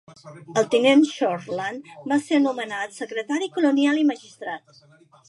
El tinent Shortland va ser anomenat secretari colonial i magistrat.